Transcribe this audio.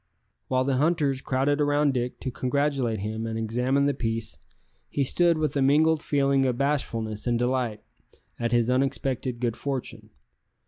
While the hunters crowded round Dick to congratulate him and examine the piece, he stood with a mingled feeling of bashfulness and delight at his unexpected good fortune.